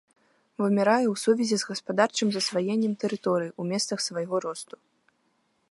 Вымірае ў сувязі з гаспадарчым засваеннем тэрыторый у месцах свайго росту.